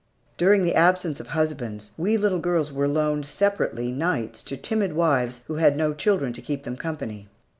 During the absence of husbands, we little girls were loaned separately nights to timid wives who had no children to keep them company.